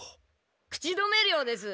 口止め料です。